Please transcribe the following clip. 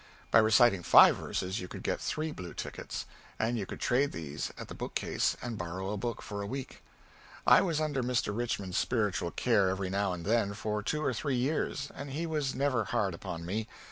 By reciting five verses you could get three blue tickets, and you could trade these at the bookcase and borrow a book for a week. I was under Mr. Richmond's spiritual care every now and then for two or three years, and he was never hard upon me.